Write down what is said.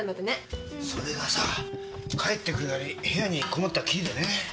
それがさ帰ってくるなり部屋にこもったきりでね。